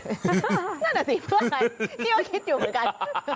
นั่นแหละสิเพื่อนอะไรที่เขาคิดอยู่เหมือนกัน